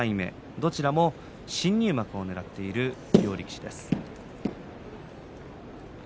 どちらも新入幕をねらっている両力士です。